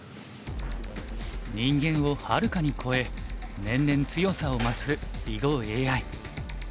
人間をはるかに超え年々強さを増す囲碁ＡＩ。